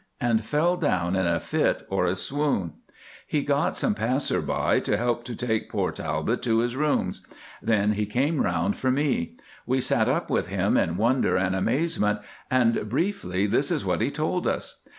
and fell down in a fit or a swoon. He got some passers by to help to take poor Talbot to his rooms. Then he came round for me. We sat up with him in wonder and amazement; and, briefly, this is what he told us.